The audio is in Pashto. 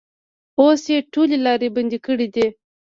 اوس یې ټولې لارې بندې کړې دي.